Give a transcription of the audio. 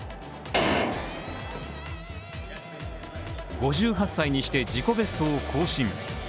５８歳にして自己ベスト更新。